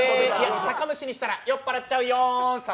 酒蒸しにしたら酔っ払っちゃうよ。